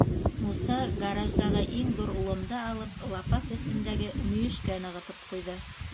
Муса гараждағы иң ҙур ломды алып лапаҫ эсендәге мөйөшкә нығытып ҡуйҙы.